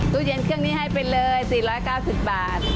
ตู้เย็นเครื่องนี้ให้ไปเลย๔๙๐บาท